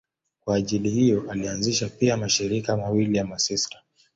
Kwa ajili hiyo alianzisha pia mashirika mawili ya masista.